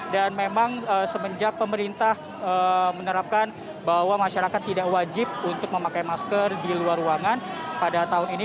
dan memang semenjak pemerintah menerapkan bahwa masyarakat tidak wajib untuk memakai masker di luar ruangan pada tahun ini